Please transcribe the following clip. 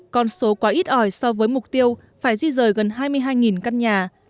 con số quá ít ỏi so với mục tiêu phải di rời gần hai mươi hai căn nhà